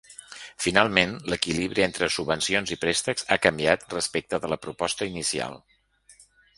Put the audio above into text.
Finalment, l’equilibri entre subvencions i préstecs ha canviat respecte de la proposta inicial.